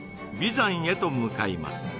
眉山へと向かいます